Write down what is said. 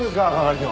係長。